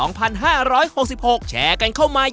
เขาบอกว่ารักษาไม่ได้แล้วชิ้นใจที่บนตักบนอ้อมอกแม่เลย